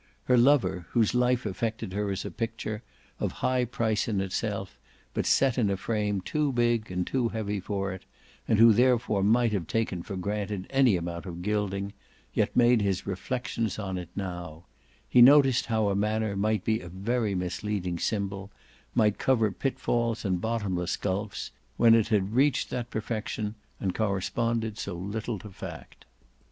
Her lover, whose life affected her as a picture, of high price in itself but set in a frame too big and too heavy for it, and who therefore might have taken for granted any amount of gilding, yet made his reflexions on it now; he noticed how a manner might be a very misleading symbol, might cover pitfalls and bottomless gulfs, when it had reached that perfection and corresponded so little to fact.